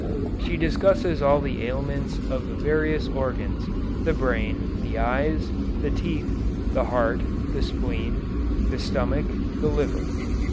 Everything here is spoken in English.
She discusses all the ailments of the various organs, the brain, the eyes, the teeth, the heart, the spleen, the stomach, the liver.